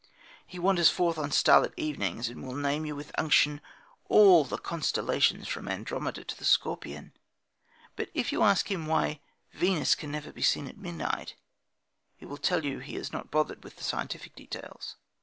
He wanders forth of starlit evenings and will name you with unction all the constellations from Andromeda to the Scorpion; but if you ask him why Venus can never be seen at midnight, he will tell you that he has not bothered with the scientific details.